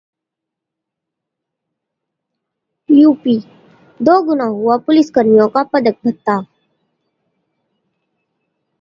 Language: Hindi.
यूपी: दो गुना हुआ पुलिसकर्मियों का पदक भत्ता